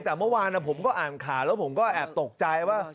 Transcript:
แต่เมื่อวานผมก็อ่านข่าวแล้วผมก็แอบตกใจว่า